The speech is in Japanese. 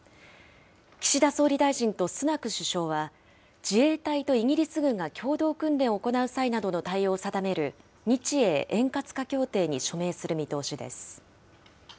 岸田総理大臣とスナク首相は、自衛隊とイギリス軍が共同訓練を行う際などの対応を定める、日英円滑化協定に署名する見通しです。